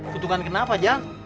kutukan ke napa jang